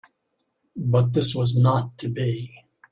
But this was not to be.